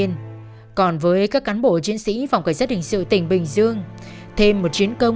trong các chương trình tiếp theo